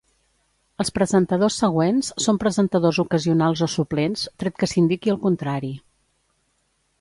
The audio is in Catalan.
Els presentadors següents són presentadors ocasionals o suplents, tret que s'indiqui el contrari.